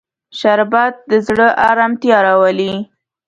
شربت د زړه ارامتیا راولي